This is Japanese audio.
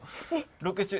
ロケ中。